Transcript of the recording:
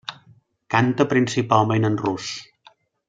Canta principalment en rus.